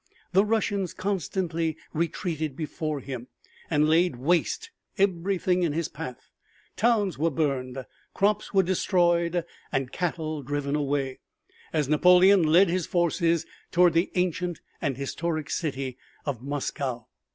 The Russians constantly retreated before him and laid waste everything in his path. Towns were burned, crops were destroyed and cattle were driven away, as Napoleon led his forces toward the ancient and historic city of Moscow.